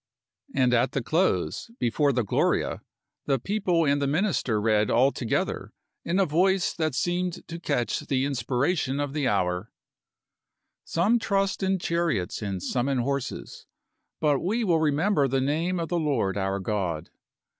And at the close, before the Gloria, the people and the minister read all together, in a voice that seemed to catch the inspiration of the hour : Some trust in chariots and some in horses : but we will remember the name of the Lord our God.